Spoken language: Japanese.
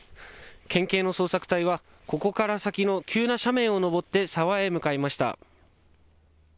県警の捜索隊はここから先の急な斜面を登って沢へ向かいました。